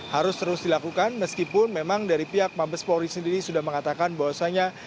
harus terus dilakukan meskipun memang dari pihak mabes polri sendiri sudah mengatakan bahwasannya